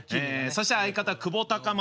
そして相方久保孝真。